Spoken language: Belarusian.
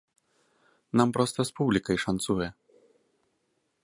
Нам проста з публікай шанцуе.